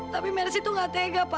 tapi mersi tuh nggak tega pak